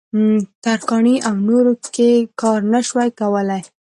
ترکاڼۍ او نورو کې کار نه شوای کولای.